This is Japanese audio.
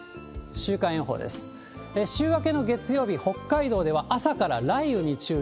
週明けの月曜日、北海道では朝から雷雨に注意。